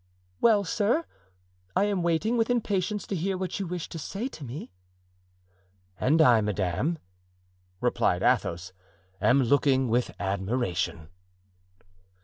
"Well, sir, I am waiting with impatience to hear what you wish to say to me." "And I, madame," replied Athos, "am looking with admiration."